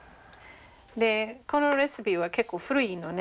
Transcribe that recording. このレシピは結構古いのね。